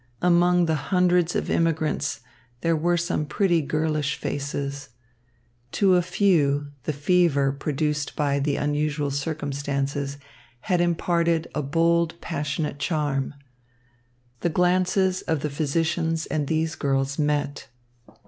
Among the hundreds of immigrants, there were some pretty girlish faces. To a few the fever produced by the unusual circumstances had imparted a bold, passionate charm. The glances of the physicians and these girls met.